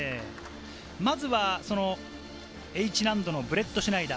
まずはＨ難度のブレットシュナイダー。